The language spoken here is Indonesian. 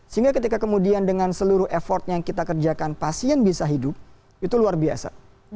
sehingga ketika kemudian dengan seluruh effort yang kita kerjakan pasien bisa hidup itu luar biasa